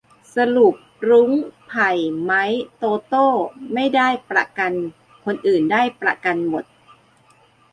สรุป รุ้ง ไผ่ ไมค์ โตโต้ ไม่ได้ประกัน คนอื่นได้ประกันหมด